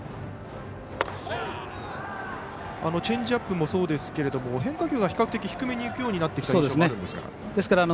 チェンジアップもそうですけども変化球が比較的低めにいくようになってきた印象もあるんですが。